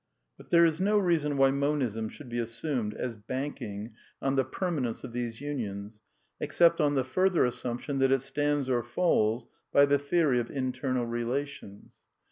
But there is no reason why Monism should be assumed as banking on the permanence of these unions, except on the further assumption that it stands or falls by the theory oJ internal relations.